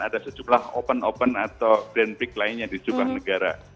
ada sejumlah open open atau grand prix lainnya di sebuah negara